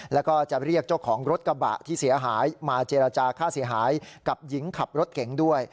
แล้วก็จะเรียกเจ้าของรถกระบะที่เสียหายมาเจรจาค่าเสียหายกับหญิงขับรถเก๋งด้วย